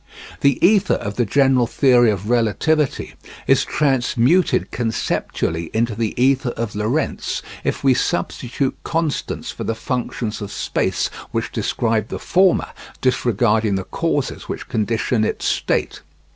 The ether of the general theory of relativity is transmuted conceptually into the ether of Lorentz if we substitute constants for the functions of space which describe the former, disregarding the causes which condition its state.